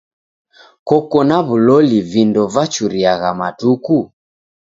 Koko na w'uloli vindo vachuriagha matuku?